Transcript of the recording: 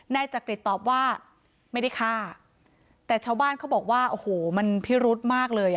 นายจักริตตอบว่าไม่ได้ฆ่าแต่ชาวบ้านเขาบอกว่าโอ้โหมันพิรุธมากเลยอ่ะ